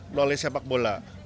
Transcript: melalui sepak bola